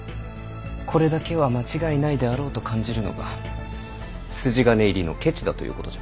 コレだけは間違いないであろうと感じるのは筋金入りの「ケチ」だということじゃ。